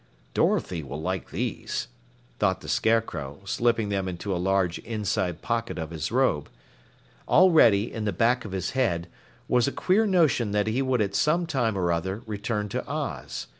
"Dorothy will like these," thought the Scarecrow, slipping them into a large inside pocket of his robe. Already, in the back of his head, was a queer notion that he would at some time or other return to Oz.